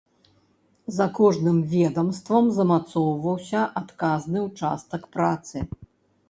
За кожным ведамствам замацоўваўся адказны ўчастак працы.